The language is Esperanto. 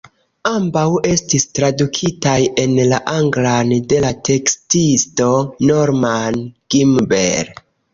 Ambaŭ estis tradukitaj en la anglan de la tekstisto Norman Gimbel.